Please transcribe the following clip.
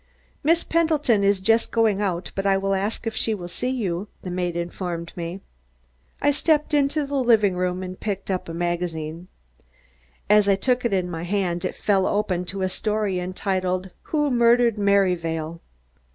"Miss Pendleton is just going out, but I will ask if she will see you," the maid informed me. I stepped into the living room and picked up a magazine. As I took it in my hand it fell open to a story entitled, "Who Murdered Merryvale?"